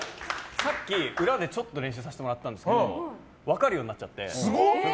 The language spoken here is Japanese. さっき裏でちょっと練習させてもらったんですけど分かるようになっちゃって。